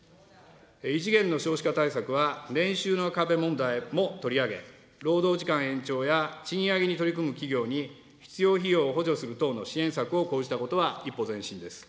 異次元の少子化対策は年収の壁問題も取り上げ、労働時間延長や賃上げに取り組む企業に必要費用を補助する等の支援策を講じたことは、一歩前進です。